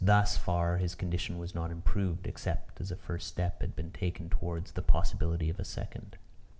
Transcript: Thus far his condition was not improved; except as a first step had been taken towards the possibility of a second.